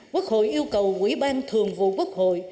quốc hội yêu cầu quỹ ban thường vụ quốc hội